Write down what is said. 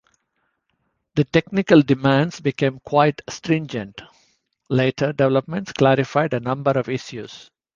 The technical demands became quite stringent; later developments clarified a number of issues.